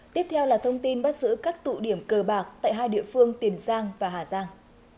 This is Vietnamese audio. tiếp theo là thông tin bắt giữ các tụ điểm cờ bạc tại hai địa phương tiền giang và hà giang